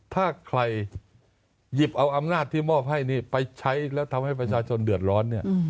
ถ้าใครหยิบเอาอำนาจที่มอบให้นี้ไปใช้แล้วทำให้ประชาชนเดือดร้อนเนี่ย